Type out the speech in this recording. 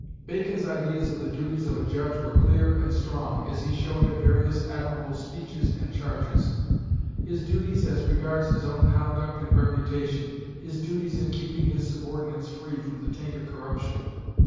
Bacon's ideas of the duties of a judge were clear and strong, as he showed in various admirable speeches and charges: his duties as regards his own conduct and reputation; his duties in keeping his subordinates free from the taint of corruption.